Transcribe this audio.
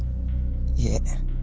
いえ。